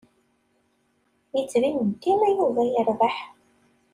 Yettbin-d dima Yuba yerbeḥ.